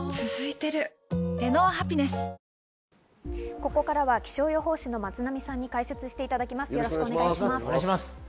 ここからは気象予報士・松並さんに解説していただきます。